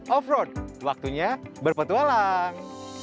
offroad waktunya berpetualang